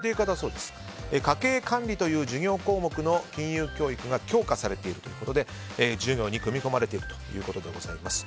家計管理という授業項目の金融教育が強化されているということで授業に組み込まれているということでございます。